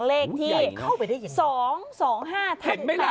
เลขที่๒๒๕๘เห็นไหมล่ะ๒๒๕๘